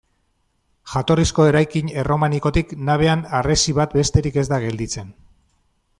Jatorrizko eraikin erromanikotik nabean harresi bat besterik ez da gelditzen.